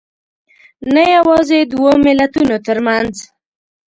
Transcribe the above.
نه یوازې دوو ملتونو تر منځ